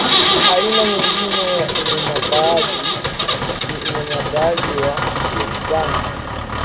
aina nyingine ya unyanyapaaji ni unyanyapaaji wa kihisani